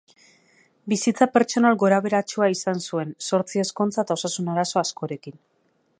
Bizitza pertsonal gorabeheratsua izan zuen, zortzi ezkontza eta osasun arazo askorekin.